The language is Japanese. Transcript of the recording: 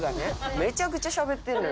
めちゃくちゃしゃべってるのよ。